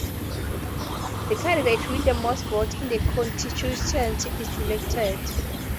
The candidate with the most votes in a constituency is elected.